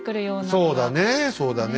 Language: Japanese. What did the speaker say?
そうだねそうだね